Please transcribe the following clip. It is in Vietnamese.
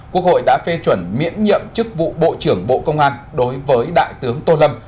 quốc hội đã phê chuẩn miễn nhiệm chức vụ bộ trưởng bộ công an đối với đại tướng tô lâm